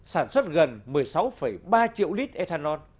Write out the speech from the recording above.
sản xuất gần một mươi sáu ba triệu lít ethanol